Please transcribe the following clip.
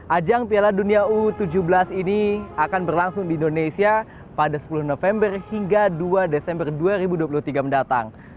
ajang piala dunia u tujuh belas ini akan berlangsung di indonesia pada sepuluh november hingga dua desember dua ribu dua puluh tiga mendatang